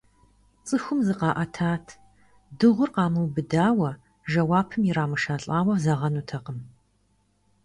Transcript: Цӏыхум зыкъаӏэтат, дыгъур къамыубыдауэ, жэуапым ирамышэлӀауэ зэгъэнутэкъым.